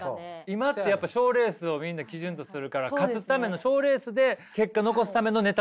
今ってやっぱ賞レースをみんな基準とするから勝つための賞レースで結果残すためのネタ作りになるやん。